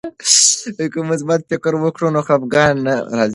که مثبت فکر وکړو نو خفګان نه راځي.